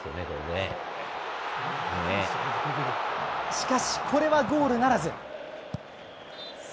しかし、これはゴールならず。